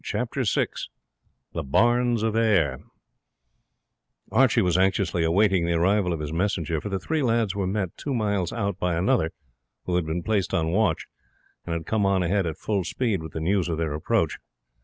Chapter VI The Barns of Ayr Archie was anxiously awaiting the arrival of his messenger, for the three lads were met two miles out by another who had been placed on watch, and had come on ahead at full speed with the news of their approach.